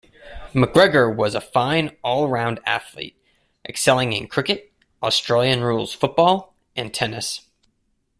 McGregor was a fine all-round athlete, excelling in cricket, Australian rules football, and tennis.